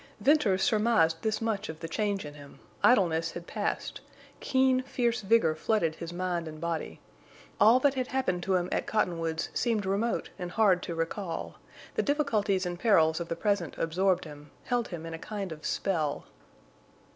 Venters surmised this much of the change in him—idleness had passed; keen, fierce vigor flooded his mind and body; all that had happened to him at Cottonwoods seemed remote and hard to recall; the difficulties and perils of the present absorbed him, held him in a kind of spell.